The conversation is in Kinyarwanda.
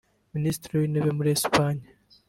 Minisitiri w’intebe muri Esipanye